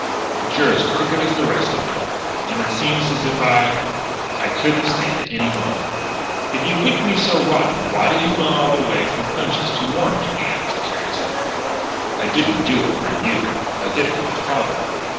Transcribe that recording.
But you're as crooked as the rest of them and it seems as if I I couldn't stand it any longer " "If you think me so rotten, why did you run all the way from Clinch's to warn me?" he asked curiously. "I didn't do it for you; I did it for my father.